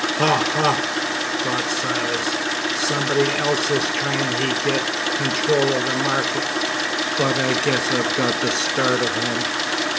"Ha, ha!" thought Silas. "Somebody else is tryin' hi git control of the market. But I guess I've got the start of him."